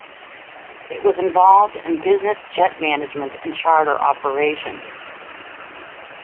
It was involved in business jet management and charter operations.